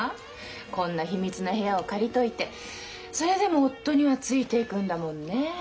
こんな秘密な部屋を借りといてそれでも夫にはついていくんだもんね。